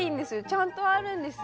ちゃんとあるんですよ。